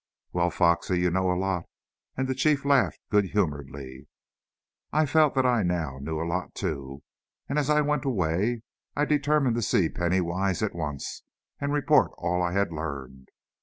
"Well, Foxy, you know a lot," and the Chief laughed good humoredly. I felt that I now knew a lot, too, and as I went away I determined to see Penny Wise at once, and report all I had learned.